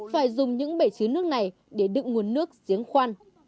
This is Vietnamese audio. phải dùng những bể chứa nước này để đựng nguồn nước giếng khoan